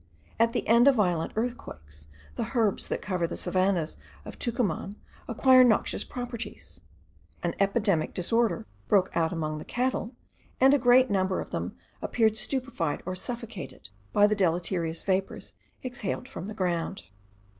At the end of violent earthquakes, the herbs that cover the savannahs of Tucuman acquired noxious properties; an epidemic disorder broke out among the cattle, and a great number of them appeared stupified or suffocated by the deleterious vapours exhaled from the ground.